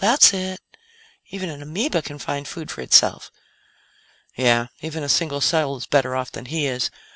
That's it.) Even an ameba can find food for itself." "Yeah. Even a single cell is better off than he is.